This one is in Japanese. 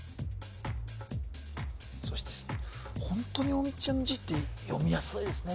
そしてホントに大道ちゃんの字って読みやすいですね